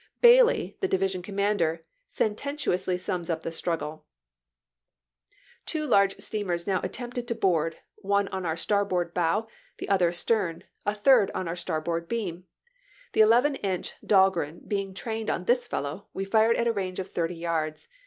Bailey, the division commander, sententiously sums up the struggle :" Two large steamers now attempted to board, one on our star board bow, the other astern, a third on our star board beam. The eleven inch Dahlgren being trained on this fellow, we fired at a range of thirty yards.